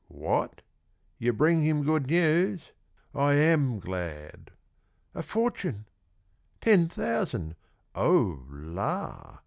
What! you bring him good news; I am glad! A fortune! ten thousand! Oh, la!